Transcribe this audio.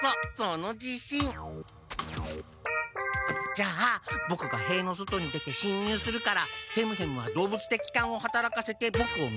じゃあボクがへいの外に出てしんにゅうするからヘムへムはどうぶつてきかんをはたらかせてボクを見つけて。